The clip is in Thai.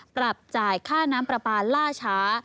ปรับจ่ายค่าน้ำปรับปราส่งล่าช้า